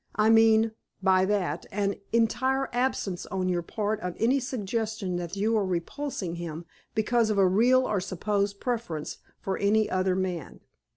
I mean, by that, an entire absence on your part of any suggestion that you are repulsing him because of a real or supposed preference for any other man."